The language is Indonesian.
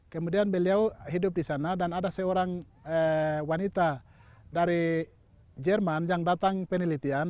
kemudian beliau hidup di sana dan ada seorang wanita dari jerman yang datang penelitian